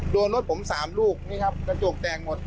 รถผม๓ลูกนี่ครับกระจกแตกหมด